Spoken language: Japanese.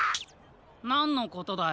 なんのことだよ？